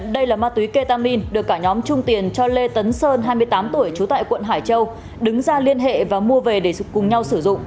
được cả nhóm trung tiền cho lê tấn sơn hai mươi tám tuổi chú tại quận hải châu đứng ra liên hệ và mua về để cùng nhau sử dụng